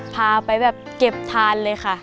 พาไปแบบเก็บทานเลยค่ะ